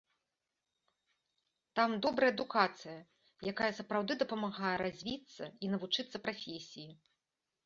Там добрая адукацыя, якая сапраўды дапамагае развіцца і навучыцца прафесіі.